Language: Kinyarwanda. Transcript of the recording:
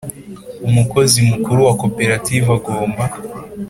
Umukozi mukuru wa Koperative agomba